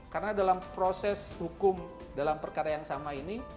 karena dalam proses hukum dalam perkara yang sama ini